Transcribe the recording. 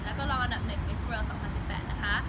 แล้วก็รองรับเม็ดมิสเวิร์ลสองพันสิบแปดนะคะ